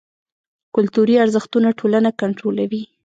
کلتوري ارزښتونه ټولنه کنټرولوي.